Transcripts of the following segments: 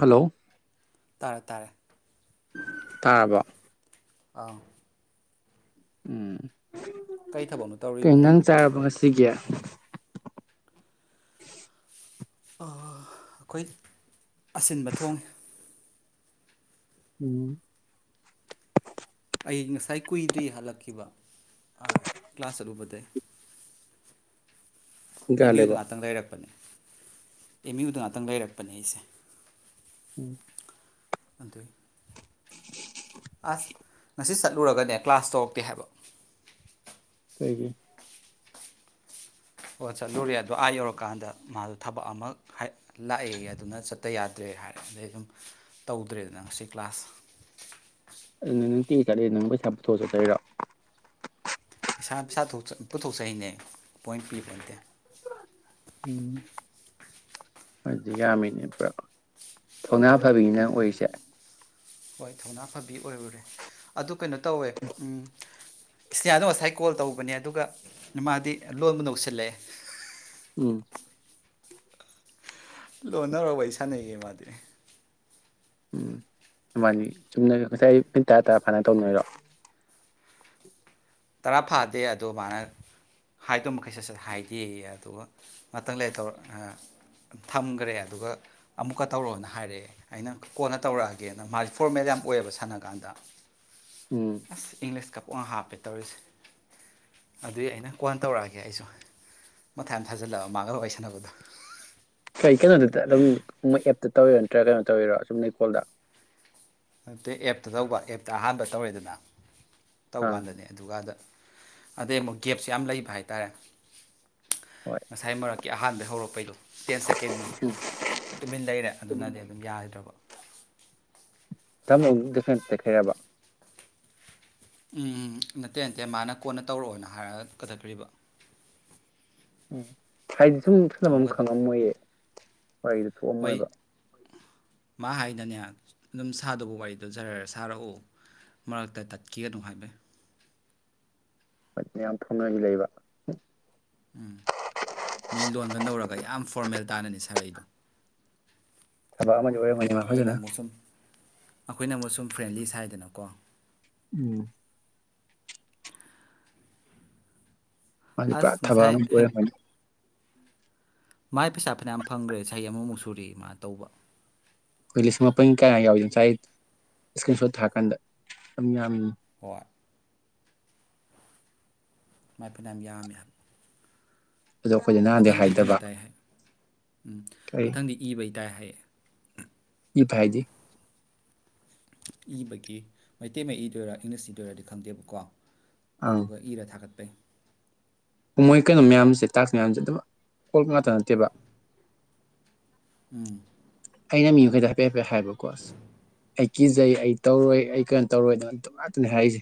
Hello ꯇꯥꯔꯦ ꯇꯥꯔꯦ ꯇꯥꯔꯕꯣ ꯑꯥ ꯎꯝ ꯀꯔꯤ ꯊꯕꯛꯅꯣ ꯀꯩ ꯇꯧꯔꯤꯕꯨ ꯏꯟꯖꯥꯡ ꯆꯥꯔꯕ ꯉꯥꯁꯤꯒꯦ [inaudible] ꯑꯩꯈꯣꯏ ꯑꯁꯤꯟꯕ ꯊꯣꯡꯏꯤ ꯎꯝ ꯑꯩ ꯉꯁꯥꯏ ꯀꯨꯏꯗ꯭ꯔꯤ ꯍꯜꯂꯛꯈꯤꯕ ꯀ꯭ꯂꯥꯁ ꯆꯠꯂꯨꯕꯗ ꯑꯦꯝ ꯌꯨꯗꯥ ꯀꯥꯜꯂꯦꯕ ꯉꯥꯛꯇꯪ ꯂꯩꯔꯛꯄꯦ ꯑꯦꯝ ꯌꯨꯗ ꯉꯥꯛꯇꯪ ꯂꯩꯔꯛꯄꯅꯦ ꯑꯩꯁꯦ ꯎꯝ ꯑꯗ [inaudible] ꯑꯁ ꯉꯁꯤ ꯆꯠꯂꯨꯔꯒꯅꯦ ꯀ꯭ꯂꯥꯁ ꯇꯧꯔꯛꯇꯦ ꯍꯥꯏꯕ ꯀꯩꯒꯤ ꯑꯣ ꯆꯠꯂꯨꯔꯦ ꯑꯗꯣ ꯑꯥ ꯌꯧꯔꯀꯥꯟꯗ ꯃꯥꯗꯣ ꯊꯕꯛ ꯑꯃ ꯂꯥꯛꯑꯦ ꯑꯗꯨꯅ ꯆꯠꯇ ꯌꯥꯗ꯭ꯔꯦ ꯍꯥꯏꯔ ꯑꯗꯩ ꯑꯗꯨꯝ ꯇꯧꯗ꯭ꯔꯦꯗꯅ ꯉꯁꯤ ꯀ꯭ꯂꯥꯁ ꯆꯠꯂꯦ ꯅꯪ ꯄꯩꯁꯥ ꯄꯨꯊꯣꯛ ꯆꯆꯩꯔꯣ ꯏꯁꯥ ꯄꯥ ꯄꯨꯊꯣꯛꯆꯩꯅꯦ ꯄꯣꯏꯟ ꯄꯤꯕ ꯅꯇꯦ ꯎꯝ ꯍꯥꯏꯗꯤ ꯌꯥꯝꯃꯤꯅꯦ ꯄꯨꯔꯥ ꯊꯧꯅꯥ ꯐꯕꯤꯅꯤꯅꯪ ꯑꯣꯏꯔꯤꯁꯦ [inaudible] ꯍꯣꯏ ꯊꯧꯅꯥ ꯐꯕꯤ ꯑꯣꯏꯔꯨꯔꯦ ꯑꯗꯨ ꯀꯩꯅꯣ ꯇꯧꯋꯦ ꯎꯝ ꯏꯁꯅꯤꯌꯥꯗꯣ ꯉꯁꯥꯏ ꯀꯣꯜ ꯇꯧꯕꯅꯦ ꯑꯗꯨꯒ ꯃꯥꯗꯤ ꯂꯣꯟꯕꯨ ꯅꯧꯁꯤꯜꯂꯛꯑꯦ ꯎꯝ ꯂꯣꯟ ꯅꯧꯔꯥ ꯋꯥꯔꯤ ꯁꯥꯟꯅꯩꯌꯦ ꯃꯥꯗꯤ ꯎꯝ ꯑꯗꯨꯕꯥꯅꯤ ꯆꯨꯝꯅꯒ ꯉꯁꯥꯏ ꯑꯩ ꯃꯤꯠ ꯇꯔꯥ ꯇꯔꯥ ꯐꯥꯅ ꯇꯧꯅꯣꯏꯔꯣ ꯇꯔꯥ ꯐꯥꯗꯦ ꯑꯗꯣ ꯃꯥꯅ ꯍꯥꯏꯗꯃꯩ ꯁꯠ ꯁꯠ ꯍꯥꯏꯗꯦ ꯑꯗꯨꯒ ꯉꯥꯛꯇꯪ ꯂꯩꯔ ꯊꯝꯈ꯭ꯔꯦ ꯑꯗꯨꯒ ꯑꯃꯨꯛꯀ ꯇꯧꯔꯣꯅ ꯍꯥꯏꯔꯛꯑꯦ ꯑꯩꯅ ꯀꯣꯟꯅ ꯇꯧꯔꯛꯑꯒꯦꯅ ꯃꯥꯁꯦ ꯐꯣꯔꯃꯦꯜ ꯌꯥꯝ ꯑꯣꯏꯌꯦꯕ ꯁꯥꯟꯅ ꯀꯥꯟꯗ ꯎꯝ ꯑꯁ ꯏꯪꯂꯤꯁ ꯀꯄ ꯋꯥꯍꯥ ꯄꯦ ꯇꯧꯔꯤꯁꯦ ꯑꯗꯨꯏ ꯑꯩꯅ ꯀꯣꯟꯅ ꯇꯧꯔꯛꯑꯒꯦ ꯑꯩꯁꯨ ꯃꯊꯥꯏꯝ ꯊꯥꯖꯤꯜꯂꯕ ꯃꯥꯡꯉꯒ ꯋꯥꯔꯤ ꯁꯥꯟꯅꯕꯗꯣ ꯀꯩ ꯀꯩꯅꯣꯗꯨꯗ ꯑꯗꯨꯝ ꯃꯣꯏ ꯑꯦꯞꯇ ꯇꯧꯤꯔꯣ ꯅꯠꯇ꯭ꯔꯒ ꯀꯩꯅꯣ ꯇꯧꯔꯤꯔꯣ ꯑꯁꯨꯝ ꯂꯩ ꯀꯣꯜꯗ ꯑꯛꯇꯇꯩ ꯑꯦꯞꯇ ꯇꯧꯕ ꯑꯦꯞꯇ ꯑꯍꯥꯟꯕ ꯇꯧꯔꯦꯗꯅ ꯑꯥ ꯇꯧꯀꯥꯟꯗꯅꯦ ꯑꯗꯨꯀꯥꯟꯗ ꯑꯗꯩ ꯑꯃꯨꯛ ꯒꯦꯞꯁꯦ ꯌꯥꯝ ꯂꯩꯕ ꯍꯥꯏꯇꯥꯔꯦ ꯍꯣꯏ ꯉꯁꯥꯏ ꯃꯔꯛ ꯀꯦ ꯑꯍꯥꯟꯕꯩ ꯍꯧꯔꯛꯄꯩꯗꯣ ꯇꯦꯟ ꯁꯦꯀꯦꯟꯃꯨꯛ ꯇꯨꯃꯤꯟ ꯂꯩꯔꯦ ꯑꯗꯨꯅꯗꯤ ꯑꯗꯨꯝ ꯌꯥꯗ꯭ꯔꯕ ꯊꯃ ꯇꯦꯛꯈ꯭ꯔꯔꯕ ꯎꯝ ꯅꯠꯇꯦ ꯅꯠꯇꯦ ꯃꯥꯅ ꯀꯣꯟꯅ ꯇꯧꯔꯛꯑꯣꯅ ꯍꯥꯏꯔꯒ ꯀꯊꯈ꯭ꯔꯤꯕ ꯎꯝ ꯍꯥꯏ ꯁꯨꯝ ꯊꯅꯕ ꯑꯃꯨꯛꯀ ꯑꯃ ꯈꯪꯉꯝꯃꯣꯏꯌꯦ ꯋꯥꯔꯤꯗꯨ ꯋꯥꯔꯤ ꯊꯣꯛꯑꯝꯃꯣꯏꯕ ꯃꯥ ꯍꯥꯏꯗꯅꯦ ꯑꯗꯨꯝ ꯁꯥꯗꯧꯕ ꯋꯥꯔꯤꯗꯣ ꯖꯔꯔ ꯁꯥꯔꯛꯎ ꯃꯔꯛꯇ ꯇꯠꯈꯤꯒꯅꯨ ꯍꯥꯏꯕꯩ ꯍꯣꯏ ꯌꯥꯝ ꯊꯨꯅꯒꯤ ꯂꯩꯕ ꯎꯝ ꯃꯤ ꯂꯣꯟꯒ ꯅꯧꯔꯒ ꯌꯥꯝ ꯐꯣꯔꯃꯦꯜ ꯇꯥꯅꯅꯤ ꯁꯥꯔ ꯑꯩꯗꯣ ꯊꯕꯛ ꯑꯃ ꯃꯖ ꯑꯣꯏ ꯃꯥ ꯍꯣꯏꯖꯅ ꯁꯨꯝ ꯑꯩꯈꯣꯏꯅ ꯑꯃꯨꯛ ꯁꯨꯝ ꯐ꯭ꯔꯦꯟꯂꯤ ꯍꯥꯏ ꯍꯥꯏꯗꯅꯀꯣ ꯎꯝ ꯃꯥꯗꯤ ꯑꯁ ꯄꯨꯔꯥ ꯊꯕꯛ ꯉꯁꯥꯏ ꯑꯃ ꯑꯣꯏꯣꯏꯔꯝꯅꯤ ꯃꯥꯏ ꯄꯩꯁꯥ ꯐꯅꯌꯥꯝ ꯐꯪꯈ꯭ꯔꯦ ꯆꯍꯤ ꯑꯃꯃꯨꯛ ꯁꯨꯨꯔ ꯃꯥ ꯇꯧꯕ ꯑꯩꯈꯣꯏ ꯂꯤꯁꯤꯡ ꯃꯥꯄꯟ ꯀꯌꯥ ꯌꯥꯎꯏ ꯉꯁꯥꯏ ꯏꯁꯀ꯭ꯔꯤꯟ ꯁꯣꯠ ꯊꯥꯀꯥꯟꯗ ꯌꯥꯝ ꯍꯣꯏ ꯃꯥꯏ ꯐꯅ ꯌꯥꯝ ꯌꯥꯝꯃꯦ ꯑꯗꯣ ꯑꯩꯈꯣꯏꯗ ꯅꯍꯥꯟꯗꯩ ꯃꯊꯪꯗꯤ ꯀꯩꯅꯣ ꯍꯥꯏꯗꯕ ꯇꯥꯏ ꯍꯥꯏ ꯎꯝ ꯀꯔꯤ ꯃꯊꯪꯗꯤ ꯏꯕꯩ ꯇꯥꯏ ꯍꯥꯏꯌꯦ ꯏ ꯐ ꯍꯥꯏꯗꯤ ꯏꯕꯒꯤ ꯃꯩꯇꯩ ꯃꯌꯦꯛ ꯏꯗꯣꯏꯔꯥ ꯏꯪꯂꯤꯁ ꯏꯗꯣꯏꯔꯗꯤ ꯈꯪꯗꯦꯕꯀꯣ ꯑꯪ ꯑꯗꯨꯒ ꯏꯔ ꯊꯥꯒꯠ ꯇꯦ ꯃꯣꯏ ꯀꯩꯅꯣ ꯃꯌꯥꯝꯁꯦ ꯇꯥꯛꯁ ꯃꯌꯥꯝꯁꯦ ꯑꯗꯨꯝ ꯀ ꯉꯥꯛꯇ ꯅꯠꯇꯦꯕ ꯎꯝ ꯑꯩꯅ ꯃꯤ ꯃꯈꯩꯗ ꯍꯥꯏꯐꯦꯠ ꯍꯥꯏꯐꯦꯠ ꯍꯥꯏꯕꯀꯣ ꯑ ꯑꯩ ꯀꯤꯖꯩ ꯑꯩ ꯇꯧꯔꯣꯏ ꯑꯩ ꯀꯩꯅꯣ ꯇꯧꯔꯣꯏꯗ ꯇ ꯉꯥꯛꯇꯅꯤ ꯍꯥꯏꯔꯤꯁꯦ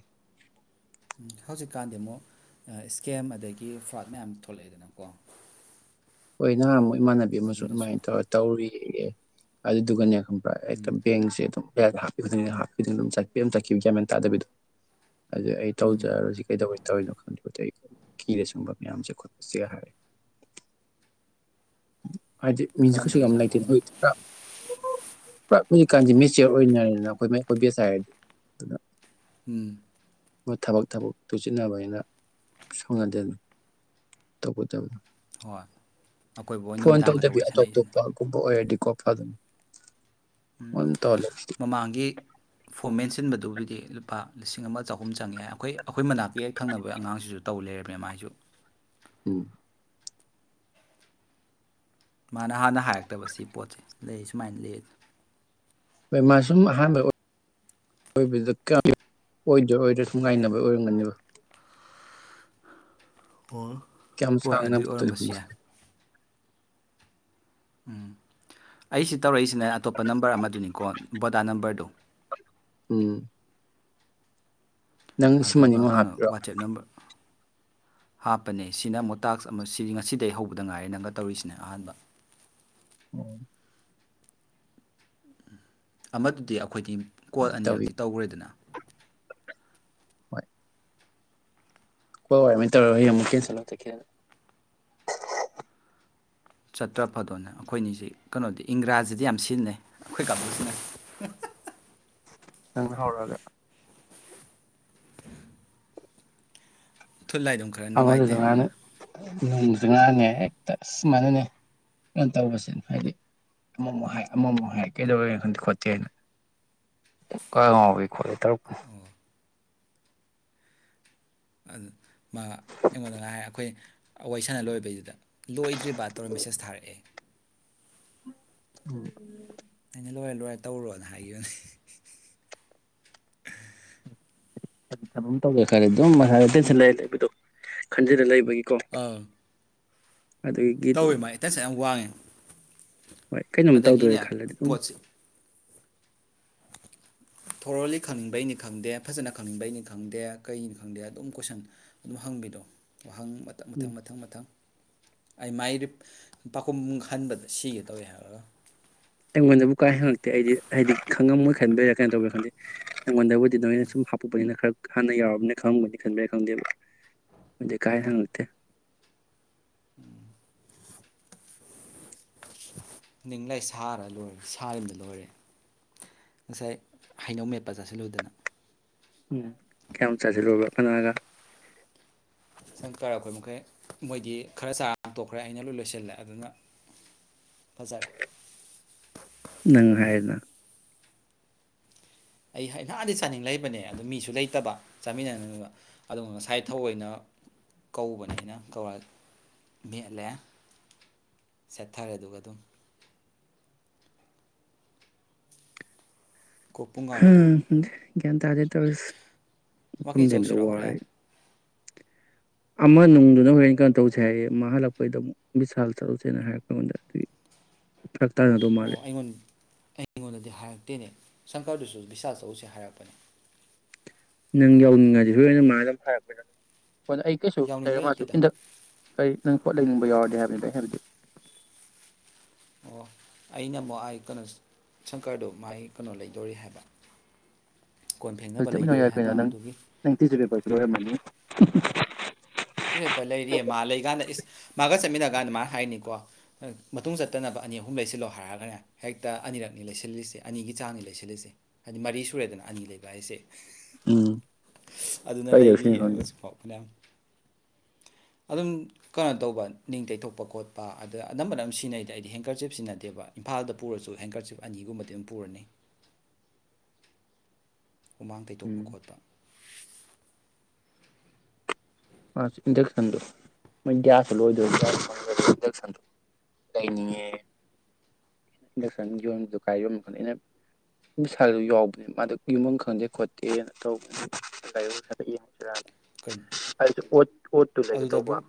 ꯍꯧꯖꯤꯛꯀꯥꯟꯗꯤ ꯑꯃꯨꯛ ꯏꯁꯀꯦꯝ ꯑꯗꯒꯤ ꯐ꯭ꯔꯣꯠ ꯃꯌꯥꯝ ꯊꯣꯛꯂꯛꯑꯦꯗꯅꯀꯣ ꯍꯣꯏꯅꯃꯣꯏ ꯏꯃꯥꯟꯅꯕꯤ ꯑꯃꯁꯨ ꯑꯗꯨꯃꯥꯏꯅ ꯑꯗꯨꯅꯁꯨꯅꯦ ꯇꯧꯔ ꯇꯧꯔꯤ ꯑꯗꯨꯗꯨꯒꯅꯤ ꯑ ꯎꯝ ꯍꯛꯇ ꯕꯦꯡꯁꯦ ꯑꯗꯨꯝ ꯌꯥ ꯍꯥꯞꯄꯤ ꯈꯨꯗꯤꯡꯗ ꯍꯥꯞꯄꯤ ꯈꯨꯗꯤꯡ ꯑꯗꯨꯝ ꯆ ꯑꯗꯨꯝ ꯆꯠꯈꯤꯕ ꯌꯥꯃꯦꯟ ꯇꯥꯗꯕꯤꯗꯣ ꯑꯗꯨꯗ ꯑꯩ ꯎꯝ ꯇꯧꯖꯔꯔꯣꯏ ꯀꯩꯗꯧꯒꯦ ꯇꯧꯔꯤꯅꯣ ꯈꯪꯗꯕꯗ ꯑꯩ ꯀꯤꯔ ꯆꯨꯡꯕ ꯃꯌꯥꯝꯁꯦ ꯈꯨꯠꯄꯁꯤ ꯍꯥꯏꯔ ꯍꯥꯏꯗꯤ ꯃꯤꯁꯤ ꯀꯔꯝꯕ ꯀꯁꯨ ꯀꯝ ꯑꯣꯏꯖꯥꯠꯅꯣ ꯂꯩꯇꯦꯅ ꯍꯥꯏꯅ ꯍꯧꯖꯤꯛꯀꯥꯟꯗꯤ ꯃꯦꯆꯌꯔ ꯑꯣꯏꯅꯔꯦꯅ ꯑꯩꯈꯣꯏ ꯃ ꯑꯩꯈꯣꯏ ꯕꯦꯁ ꯍꯥꯏꯔꯗꯤ ꯑꯗꯨꯅ ꯎꯝ ꯊꯕꯛ ꯊꯕꯛ ꯇꯨꯁꯤꯟꯅꯕ ꯍꯥꯏꯅ ꯁꯪꯅꯗꯦ ꯇꯒ ꯇꯕꯅꯤ ꯍꯣꯏ ꯑꯀꯣꯏꯕ ꯍꯣꯏ ꯐꯣꯟ ꯅꯨꯃꯤꯗꯥꯡ ꯈꯛꯇ ꯇꯧꯗꯕꯤ ꯋꯥꯔꯤ ꯑꯇꯣꯞ ꯁꯥꯟꯅꯩꯁꯤꯅꯦ ꯑꯇꯣꯞꯄꯒꯨꯝꯕ ꯑꯣꯏꯔꯗꯤ ꯀꯣꯄꯥ ꯎꯝ ꯃꯃꯥꯡꯒꯤ ꯐꯣꯔꯃꯦꯠꯁꯤ ꯈꯤꯕꯗꯨꯕꯨꯗꯤ ꯂꯨꯄꯥ ꯂꯤꯁꯤꯡ ꯑꯃ ꯆꯍꯨꯝ ꯆꯪꯉꯦ ꯑꯩꯈꯣꯏ ꯑꯩꯈꯣꯏ ꯃꯅꯥꯛꯀꯤ ꯍꯦꯛ ꯊꯪꯅꯕꯒꯤ ꯑꯉꯥꯡꯁꯤꯁꯨ ꯇꯧ ꯂꯩꯔꯝꯃꯦ ꯃꯥꯏꯁꯨ ꯎꯝ ꯃꯥꯅ ꯍꯥꯟꯅ ꯍꯥꯏꯔꯛꯇꯕ ꯁꯤ ꯄꯣꯠꯁꯦ ꯂꯩ ꯁꯨꯃꯥꯏꯅ ꯂꯩꯗ ꯍꯣꯏ ꯃꯥ ꯁꯨꯝ ꯑꯍꯥꯟꯕ ꯑꯣꯏꯕꯗ ꯀꯌꯥꯝ ꯑꯣꯏꯗ꯭ꯔꯥ ꯑꯣꯏꯗ꯭ꯔꯥ ꯁꯨꯝ ꯉꯥꯏꯅꯕꯩ ꯑꯣꯏꯔꯝꯒꯅꯦꯕ ꯀꯌꯥꯝ ꯍꯣꯏ ꯁꯥꯡꯅ ꯑꯗꯨꯏ ꯇꯧꯁꯤ ꯑꯣꯏꯔꯝꯕꯁꯨ ꯌꯥꯏ ꯎꯝ ꯑꯩꯁꯤ ꯇꯧꯔꯛꯏꯁꯤꯅꯦ ꯑꯇꯣꯞꯄ ꯅꯝꯕꯔ ꯑꯃꯗꯨꯅꯤꯀꯣ ꯕꯣꯗꯥ ꯅꯝꯕꯔꯗ‌ꯣ ꯎꯝ ꯅꯪ ꯁꯤꯃꯅꯤ ꯑꯗꯨꯒ ꯑꯃꯨꯛ ꯀꯩꯅꯣ ꯍꯥꯞꯄꯤꯔꯣ ꯋꯥꯆꯦꯞ ꯅꯝꯕꯔ ꯍꯥꯞꯄꯅꯦ ꯁꯤꯅ ꯃꯣꯏ ꯇꯥꯛꯁ ꯑꯃ ꯁꯤ ꯉꯁꯤꯗꯒꯤ ꯍꯧꯕꯗ ꯉꯥꯏꯔꯤ ꯅꯪꯒ ꯇꯧꯔꯤꯁꯤꯅꯦ ꯑꯍꯥꯟꯕ ꯎꯝ ꯑꯃꯗꯨꯗꯤ ꯑꯩꯈꯣꯏꯒꯤ ꯀꯣꯜ ꯇꯧꯋꯤ ꯑꯅꯤꯔꯛꯇꯤ ꯇꯧꯈ꯭ꯔꯦꯗꯅ ꯍꯣꯏ ꯍꯣꯏ ꯑꯗꯨꯃꯥꯏꯅ ꯇꯧꯔ ꯌ‌ꯦꯡꯉ‌ꯣ ꯆꯥꯇ꯭ꯔ ꯐꯥꯗꯧꯅꯦ ꯑꯩꯈꯣꯏꯅꯤꯁꯤ ꯀꯩꯅꯣꯗꯤ ꯏꯪꯒ꯭ꯔꯥꯖꯤꯗꯤ ꯌꯥꯝ ꯁꯤꯖꯤꯟꯅꯩ ꯑꯩꯈꯣꯏ ꯀꯪꯒꯨ ꯁꯤꯅꯥ ꯅꯪꯅ ꯍꯧꯔꯛꯑꯒ ꯊꯨꯠꯂ ꯑꯗꯨꯝ ꯈꯔ ꯅꯨꯡꯉꯥꯏꯇꯦ ꯅꯣꯡꯁꯨ ꯉꯔꯥꯡꯅ‌ꯦ ꯍꯦꯛꯇ ꯁꯨꯃꯥꯏꯅꯅꯦ ꯀ ꯇꯧꯕꯁꯤꯅ ꯍꯥꯏꯗꯤ ꯑꯃꯃꯨꯛ ꯍꯥꯏ ꯑꯃꯃꯨꯛ ꯍꯥꯏ ꯀꯩꯗꯧꯔ‌ꯦ ꯈꯟꯗꯦ ꯈꯣꯠꯇꯦꯅ ꯀ ꯉꯥꯎꯕꯤ ꯈꯣꯠꯂꯤ ꯇꯔꯨꯛ ꯑꯗꯨ ꯃꯥ ꯑꯩꯉꯣꯟꯗ ꯉꯔꯥꯡ ꯑꯩꯈꯣꯏ ꯑꯩꯈ‌ꯣꯏ ꯁꯥꯟꯅ ꯂꯣꯏꯕꯩꯗꯨꯗ ꯂꯣꯏꯗ꯭ꯔꯤꯕ ꯇꯧꯔ ꯃꯦꯁꯦꯁ ꯊꯥꯔꯛꯑꯦ ꯎꯝ ꯂꯣꯏꯔ ꯂꯣꯏꯔ ꯇꯧꯔꯣꯅ ꯍꯥꯏꯈꯤꯕꯅ‌ꯦ ꯇꯧꯒꯦ ꯈꯜꯂ‌ꯦ ꯑꯗꯨꯝ ꯃꯁꯥꯗ ꯇꯦꯟꯁꯜ ꯂꯩꯔ ꯂꯩꯕꯗꯣ ꯈꯟꯖꯤ ꯂꯩ ꯒꯤꯀꯣ ꯑꯥ ꯇꯧꯋꯦ ꯃꯥꯥꯏ ꯑꯦꯇꯟꯁ ꯌꯥꯝ ꯋꯥꯡꯉꯦ ꯍꯣꯏ ꯀꯩꯅꯣꯝ ꯑꯗꯒꯤꯅꯦ ꯇꯧꯗꯣꯔꯦ ꯈꯜꯂꯗꯤ ꯑꯗꯨꯝ ꯄꯣꯠꯁꯦ ꯊꯣꯔꯣꯂꯤ ꯈꯪꯅꯤꯡꯕꯩꯅꯤ ꯈꯪꯗꯦ ꯐꯖꯅ ꯈꯪꯅꯤꯡꯕꯩꯅꯤ ꯈꯪꯗꯦ ꯀꯩꯅꯤ ꯈꯪꯗꯦ ꯑꯗꯨꯝ ꯀꯣꯏꯁꯟ ꯑꯗꯨꯝ ꯍꯪꯕꯤꯗꯣ ꯋꯥꯍꯪ ꯃꯊꯪ ꯃꯊꯪ ꯎꯝ ꯃꯊꯪ ꯃꯊꯪ ꯑꯩ ꯃꯥꯏ ꯄꯥꯈꯨꯝ ꯈꯟꯕꯗ ꯁꯤꯒꯦ ꯇꯧꯋꯦ ꯍꯥꯏꯔꯒ ꯑꯩꯉꯣꯟꯗꯕꯨ ꯀꯥꯏ ꯍꯪꯉꯛꯇꯦ ꯑꯩꯗꯤ ꯍꯥꯏꯗꯤ ꯈꯪꯉꯝꯃꯣꯏ ꯈꯟꯕꯩꯔꯥ ꯀꯩꯅ‌ꯣ ꯇꯧꯕꯩꯔ ꯈꯪꯗꯦ ꯑꯩꯉꯣꯟꯗꯕꯨꯗꯤ ꯑꯗꯨꯅꯃꯥꯏꯅ ꯁꯨꯝ ꯍꯥꯞꯄꯛꯄꯅꯤꯅ ꯈꯔ ꯍꯥꯟꯅ ꯌꯥꯎꯔꯕꯅꯤꯅ ꯈꯪꯕꯅꯤ ꯈꯟꯕ꯭ꯔꯥ ꯈꯪꯗꯦꯕ꯫ ꯀꯥꯏ ꯍꯪ ꯅꯠꯇꯦ꯫ ꯎꯝ꯫ ꯅꯤꯡ ꯂꯩ ꯁꯥꯔ ꯂꯣꯏꯔꯦ ꯁꯥꯔꯤꯗ ꯂꯣꯏꯔꯦ ꯉꯁꯥꯏ ꯍꯩꯅꯧ ꯃꯦꯠꯄ ꯆꯥꯁꯤꯜꯂꯨꯗꯅ꯫ ꯎꯝ ꯀꯌꯥꯝ ꯆꯥꯖꯤꯜꯂꯨꯔꯕ ꯀꯅꯥꯒ? ꯁꯥꯪꯀꯦꯔ ꯑꯩꯈꯣꯏ ꯃꯈꯩ ꯃꯣꯏꯗꯤ ꯈꯔ ꯆꯥꯔ ꯇꯣꯛꯈ꯭ꯔꯦ ꯑꯩꯅ ꯂꯣꯏ ꯂꯣꯏꯁꯤꯜꯂꯦ ꯑꯗꯨꯅ ꯐꯖꯔꯦ꯫ ꯅꯪ ꯍꯥꯏꯔꯦꯗꯅ꯫ ꯑꯩ ꯅꯍꯥꯟꯗꯤ ꯆꯥꯅꯤꯡ ꯂꯩꯕꯅꯦ ꯑꯗꯨ ꯃꯤꯁꯨ ꯂꯩꯇꯕ ꯆꯥꯃꯤꯟꯅꯅꯕ ꯑꯗꯨꯒꯝ ꯉꯁꯥꯏ ꯊꯑꯣꯏꯅ ꯀꯧꯕꯅꯦꯅ ꯀꯧꯔ ꯃꯦꯠꯂꯦ ꯁꯦꯠꯊꯔꯦ ꯑꯗꯨꯒ ꯑꯗꯨꯝ ꯀꯣꯛ ꯄꯨꯡ ꯉꯥꯎꯏꯗ ꯎꯝ꯫ ꯒꯌ꯭ꯥꯟ ꯇꯗꯦ ꯇꯧꯔꯤꯁꯦ꯫ ꯃꯐꯝ ꯋꯥꯀꯤꯡ ꯂꯦꯟꯕꯗ ꯆꯧꯁꯤꯨꯔꯣ ꯋꯥꯔꯦ ꯍꯣꯔꯦꯟ? ꯑꯃ ꯅꯨꯡꯗꯨꯅ ꯍꯣꯔꯦꯟ ꯀꯩꯅꯣ ꯇꯧꯁꯦ ꯍꯥꯏꯌꯦ ꯃꯥ ꯍꯜꯂꯛꯄꯩꯗ ꯑꯃꯨꯛ ꯕꯤꯁꯥꯜ ꯆꯠꯂꯨꯁꯦꯅ ꯍꯥꯏꯔꯛꯄ ꯑꯩꯉꯣꯟꯗ ꯑꯗꯨꯒꯤ ꯐꯔꯛ ꯇꯥꯟꯅꯗꯧ ꯑꯣ ꯃꯥꯜꯂꯦ ꯑꯩꯉꯣꯟ ꯑꯩꯉꯣꯟꯗꯗꯤ ꯍꯥꯏꯔꯛꯇꯦꯅꯦ꯫ ꯁꯪꯀꯔꯗꯨꯁꯨ ꯕꯤꯁꯥꯜ ꯆꯧꯁꯦ ꯍꯥꯏꯔꯛꯄꯅꯤ꯫ ꯅꯪ ꯌꯧꯅꯤꯡꯉꯥꯏꯗꯤ ꯍꯨꯔꯦꯟ ꯃꯥꯒ [unintelligible] ꯍꯣꯏ ꯅ ꯑꯩ ꯀꯩꯁꯨ ꯂꯩꯔ ꯌꯥꯎꯅꯤꯡꯕꯩ ꯃꯥꯁꯨ ꯅꯠꯇꯦꯗ ꯏꯟꯗꯛ ꯀꯔꯤ ꯅꯪ ꯄꯣꯠ ꯂꯩꯅꯤꯡꯕ ꯌꯥꯎꯔꯗꯤꯦ ꯍꯥꯏꯕꯅꯤꯗ ꯍꯥꯏꯕꯗꯤ꯫ ꯑꯣ ꯑꯩꯅ ꯑꯃꯨꯛ ꯑꯩ ꯀꯩꯅꯣ ꯁꯪꯀꯔꯗꯨꯣ ꯃꯒꯤ ꯀꯩꯅꯣ ꯂꯩꯗꯣꯔꯤ ꯍꯥꯏꯕ꯫ ꯀꯣꯟ ꯐꯦꯡꯅꯕ ꯆꯠꯃꯤꯟꯅ ꯂꯩꯗꯣꯔꯤ ꯌꯥꯏ ꯀꯩꯅ ꯍꯥꯏꯕ ꯅꯪ ꯑꯗꯨꯒꯤ ꯅꯪ ꯊꯁꯨꯔꯤꯕꯦ ꯂꯣꯏꯔꯝꯃꯅꯤ꯫ ꯇꯨꯏ ꯍꯦꯄ ꯂꯩꯔꯤꯌꯦ ꯃꯥ ꯂꯩꯀꯥꯟꯗ ꯏꯁ ꯃꯥꯒ ꯆꯠꯃꯤꯟꯅ ꯀꯥꯟꯗ ꯃꯥꯅ ꯍꯥꯏꯅꯤꯀꯣ ꯃꯇꯨꯡ ꯆꯠꯇꯅꯕ ꯑꯅꯤ ꯑꯍꯨꯝ ꯂꯩꯁꯤꯜꯂꯣ ꯍꯥꯏꯔꯒꯅꯦ ꯍꯦꯛꯇ ꯑꯅꯤꯔꯛꯅꯤ ꯂꯩꯁꯤꯜꯂꯤꯁꯦ ꯑꯅꯤꯒꯤ ꯆꯥꯡꯅꯤ ꯂꯩꯁꯤꯜꯂꯤꯁꯦ ꯍꯥꯏꯗꯤ ꯃꯔꯤ ꯁꯨꯔꯦꯗꯅ ꯑꯅꯤ ꯂꯩꯕ ꯍꯥꯏꯁꯦ꯫ ꯎꯝ ꯑꯗꯨꯅ ꯀꯩ ꯂꯧꯁꯤꯅꯣ ꯂꯩꯔꯤꯌꯦ ꯈꯪꯗꯦ ꯍꯧꯖꯤꯛꯐꯥꯎ ꯐꯅꯥꯌꯥꯝ ꯫ ꯑꯗꯨꯝ ꯀꯩꯅꯣ ꯇꯧꯕ ꯅꯤꯡꯇꯩꯊꯣꯛꯄ ꯈꯣꯠꯄ ꯑꯗ ꯑꯅꯝꯕꯅ ꯑꯗꯨꯝ ꯁꯤꯖꯤꯟꯅꯩꯗ ꯑꯩꯗꯤ ꯍꯦꯡꯀꯔ ꯆꯤꯞ ꯁꯤꯖꯤꯟꯅꯗꯦꯕ ꯏꯝꯐꯥꯜꯗ ꯄꯨꯔꯁꯨ ꯍꯦꯡꯀꯔ ꯆꯤꯞ ꯑꯅꯤꯒꯨꯝꯕꯗꯤ ꯑꯗꯨꯝ ꯄꯨꯔꯅꯤ꯫ ꯍꯨꯃꯥꯡ ꯇꯩꯇꯣꯛꯄ ꯎꯝ ꯈꯣꯠꯄ ꯃꯥꯁꯨ ꯏꯟꯗꯛꯁꯟꯗꯣ ꯃꯣꯏ ꯒ꯭ꯌꯥꯁꯇꯨ ꯂꯣꯏꯗꯣꯏ ꯏꯟꯗꯛꯁꯟꯗꯣ ꯂꯩꯅꯤꯡꯉꯦ ꯑꯩꯅ ꯏꯟꯗꯛꯁꯟ ꯌꯣꯟꯕꯗꯣ ꯀꯥꯏ ꯌꯣꯟꯅ ꯈꯪꯗꯦ ꯑꯩꯅ ꯄꯁꯥꯗꯨ ꯌꯥꯎꯕꯅꯦ ꯃꯥꯗ ꯌꯣꯟꯐꯝ ꯈꯪꯗꯦ ꯈꯣꯠꯇꯦꯅ ꯇꯧꯕꯅꯦ ꯀꯔꯗ ꯌꯦꯡꯉꯨꯁꯤꯔ ꯀꯩꯅꯣ? ꯑꯩꯁꯨ ꯑꯣ ꯑꯣꯠꯇꯨ ꯂꯩꯒꯦ ꯇꯧꯕ꯫ ꯑꯗꯨꯗꯕꯨ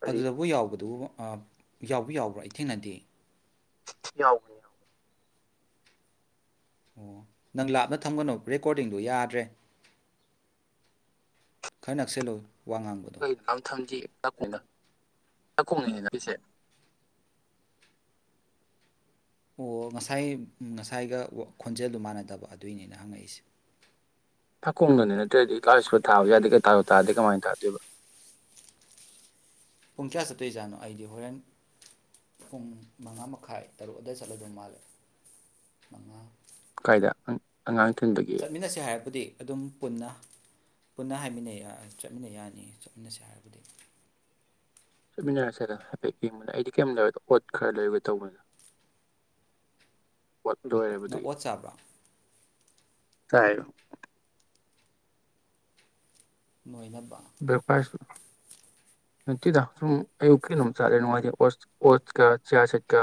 ꯑꯗꯩ ꯑꯗꯨꯗꯕꯨ ꯌꯥꯎꯕꯗꯨꯕꯨ ꯌꯥꯎꯕꯨ - ꯌꯥꯎꯕ꯭ꯔꯥ ꯑꯩ ꯊꯦꯡꯅꯗꯦ ꯌꯥꯎꯕꯅꯤ - ꯌꯥꯎꯕꯅꯤ꯫ ꯑꯣ ꯅꯪ ꯂꯥꯞꯅ ꯊꯝꯒꯅꯣ ꯔꯦꯀꯣꯔꯗꯤꯡꯗꯨꯣ ꯌꯥꯗ꯭ꯔꯦ꯫ ꯈꯔ ꯅꯛꯁꯂꯨ꫰ ꯀꯩꯩꯅꯣ ꯂꯥꯞ ꯊꯝꯗꯤꯌꯦ꯫ [unintelligible] ꯑꯣ ꯉꯁꯥꯏ ꯉꯁꯥꯏꯒ ꯈꯣꯟꯖꯦꯜꯗꯨ ꯃꯥꯟꯅꯗꯕ ꯑꯗꯨꯏꯅꯤꯅ ꯍꯪꯉꯛꯏꯁꯦ꯫ ꯊꯀꯣꯡꯗꯅꯤ ꯅꯠꯇ꯭ꯔꯗꯤ ꯀꯥꯔ ꯁ ꯈꯔ ꯊꯥꯕ ꯌꯥꯗꯦ ꯀꯩ ꯊꯥ ꯇꯥꯗꯦ ꯀꯃꯥꯏꯅ ꯇꯥꯗꯣꯏꯕ꯫ ꯄꯨꯡ ꯀꯌꯥ ꯆꯠꯇꯣꯏꯖꯥꯠꯅꯣ ꯑꯩꯗꯤ ꯍꯣꯔꯦꯟ ꯄꯨꯡ ꯃꯉꯥ ꯃꯈꯥꯏ ꯇꯔꯨꯛ ꯑꯋꯥꯏ ꯆꯠꯂꯗꯧ ꯃꯥꯜꯂꯦ ꯃꯉꯥ ꯀꯥꯏꯗ ꯑꯉꯥꯡ ꯊꯤꯟꯕꯒꯤ ꯆꯠꯃꯤꯟꯅꯁꯦ ꯍꯥꯏꯔꯕꯨꯗꯤ ꯑꯗꯨꯝ ꯄꯨꯟꯅ ꯄꯨꯟꯅ ꯍꯥꯏꯃꯤꯟꯅꯩ ꯆꯠꯃꯤꯟꯅ ꯌꯥꯅꯤ ꯆꯠꯃꯤꯟꯅꯁꯦ ꯍꯥꯏꯔꯕꯗꯤ ꯆꯠꯃꯤꯟꯅꯔꯁꯤꯦꯗ ꯍꯥꯏꯐꯦꯠ ꯌꯦꯡꯕꯗ ꯑꯩꯗꯤ ꯀꯩ ꯂꯩꯕꯗꯣ ꯑꯣꯠ ꯈꯔ ꯂꯩꯔꯨꯒꯦ ꯇꯧꯕꯅꯤꯅ ꯋꯥꯠ ꯂꯣꯏꯕꯗꯤ ꯅꯪ ꯑꯣꯠ ꯆꯥꯕ꯭ꯔꯥ ꯇꯥꯏ ꯃꯣꯏꯅ ꯕꯦꯛꯐꯥꯏ ꯅꯨꯡꯇꯤꯗ ꯁꯨꯝ ꯑꯌꯨꯛꯀꯤ ꯑꯗꯨꯝ ꯆꯥꯠꯂꯦ ꯅꯨꯡꯉꯥꯏꯇꯩ ꯑꯣꯁꯀ ꯆꯤꯌꯥꯔ ꯁꯦꯠꯀ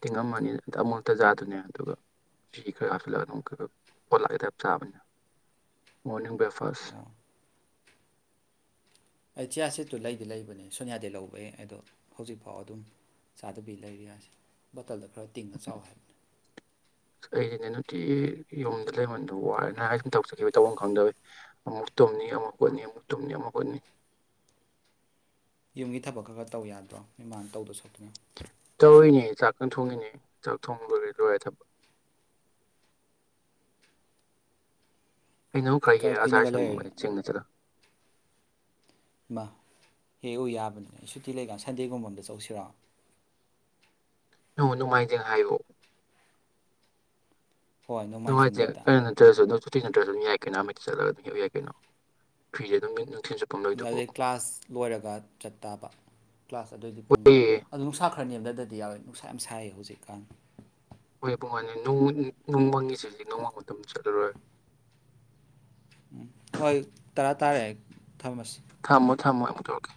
ꯇꯤꯡꯉꯝꯃꯅꯤ ꯑꯃꯨꯛꯇꯖꯥꯗꯅꯦ ꯑꯗꯨꯒ ꯐꯤ ꯈꯔ ꯍꯥꯞꯤꯜꯂꯒ ꯑꯗꯨꯝ ꯑꯣꯠꯂꯥꯛꯒꯦ ꯇꯥꯏꯞ ꯆꯥꯕꯅꯦ ꯃꯣꯔꯅꯤꯡ ꯕ꯭ꯔꯦꯛ ꯐꯁ ꯑꯣ ꯑꯩ ꯆꯤꯌꯥ ꯁꯤꯠꯇꯨ ꯂꯩꯗꯤ ꯂꯩꯕꯅꯦ ꯁꯣꯅꯤꯌꯥꯗꯩ ꯂꯧꯕ ꯑꯩ ꯑꯗꯣ ꯍꯧꯖꯤꯛꯐꯥꯎ ꯑꯗꯨꯝ ꯆꯥꯗꯕꯤ ꯂꯩꯔꯤꯁ ꯕꯇꯜꯗ ꯈꯔ ꯇꯤꯡꯅ ꯆꯥꯎꯋ ꯍꯥꯏꯕꯅꯤ ꯁ ꯑꯩꯁꯤꯅꯦ ꯅꯨꯡꯇꯤ ꯌꯨꯝꯗ ꯂꯩꯃꯟꯗꯣ ꯋꯥꯔꯦꯅ ꯍꯥꯏ ꯁꯨꯝ ꯇꯧꯖꯈꯤꯕ ꯇꯧꯐꯝ ꯈꯪꯗꯕꯦ ꯑꯃꯨꯛ ꯇꯨꯝꯅꯤ ꯑꯃꯨꯛ ꯀꯣꯠꯅꯤ ꯑꯃꯨꯛ ꯇꯨꯝꯅꯤ ꯑꯃꯨꯛ ꯀꯣꯠꯅꯤ ꯌꯨꯝꯒꯤ ꯊꯕꯛ ꯈꯔ ꯈꯔ ꯇꯧ ꯌꯥꯗ꯭ꯔꯣ ꯃꯤꯃꯥꯟꯅ ꯇꯧꯗꯣ ꯁꯄꯣꯏꯅ ꯇꯧꯔꯏꯅꯦ ꯆꯥꯛꯀ ꯊꯣꯡꯉꯤꯅꯦ ꯆꯥꯛ ꯊꯣꯡꯕ ꯂꯣꯏꯔꯦ ꯂꯣꯏꯔꯦ ꯊꯕ ꯑꯩꯅ ꯑꯃꯨꯛ ꯈꯔ ꯌꯦ ꯑꯖꯥꯔ ꯀꯨꯏꯅꯒ ꯂꯩꯔꯗꯤ ꯁꯝꯅꯤꯡꯕꯗꯤ ꯆꯦꯡꯅ ꯆꯠꯂ ꯏ ꯍꯦ ꯑꯣ ꯌꯥꯕꯅꯤ ꯑꯩ ꯁꯨꯇꯤ ꯂꯩꯀ ꯁꯟꯗꯦꯒꯨꯝꯕ ꯑꯝꯗ ꯆꯧꯁꯤꯔꯛꯑꯣ ꯅꯪ ꯣꯡꯉꯥꯏꯖꯦ ꯍꯥꯏꯌꯨ ꯍꯣꯏ ꯅꯨꯡꯋꯥ ꯅꯣꯡꯃꯥꯏꯖꯤꯡ ꯅꯨꯃꯤꯠꯇ ꯀꯩꯅꯠꯇ ꯐꯤ ꯅꯠꯇ꯭ꯔꯁꯨ ꯑꯗꯨꯝ ꯌꯥꯏ ꯀꯩꯅꯣ ꯑꯃ ꯆꯠꯂꯒ ꯑꯗꯨꯝ ꯍꯎ ꯌꯥꯏ ꯀꯩꯅꯣ ꯐꯔꯤꯁꯦ ꯑꯗꯨꯝ ꯅꯨꯡꯊꯤꯟ ꯆꯨꯞꯄ ꯑꯃ ꯂꯩꯗꯨꯕꯨ ꯑꯗꯨꯗꯩ ꯀ꯭ꯂꯥꯁ ꯂꯣꯏꯔꯒ ꯆꯠꯇꯥꯕ ꯀ꯭ꯂꯥꯁ ꯑꯗꯨꯑꯣꯏꯗꯤ ꯄꯨꯡ ꯍꯣꯏꯌꯦ ꯑꯗꯨ ꯁꯥꯈ꯭ꯔꯅꯦꯕ ꯑꯗꯨꯗꯗꯤ ꯑꯗꯨꯗꯤ ꯌꯥꯎꯋꯦ ꯅꯨꯡꯁꯥ ꯌꯥꯝ ꯁꯥꯏ ꯍꯧꯖꯤꯛꯀꯥꯟ ꯍꯣꯏ ꯄꯨꯡ ꯃꯥꯥꯟꯅꯤ ꯅꯣꯡꯃꯪꯉꯤꯁꯤꯗꯤ ꯅꯣꯡꯃꯪ ꯃꯇꯝ ꯃꯇꯝ ꯆꯠꯂꯔꯣꯏ ꯎꯝ ꯍꯣꯏ ꯇꯔꯥ ꯇꯥꯔꯦ ꯊꯝꯃꯁꯤ ꯊꯝꯃꯣ ꯊꯝꯃꯣ ꯑꯃꯨꯛ ꯇꯧꯔꯛꯀꯦ